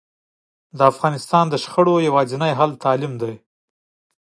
د افغانستان د شخړو یواځینی حل تعلیم ده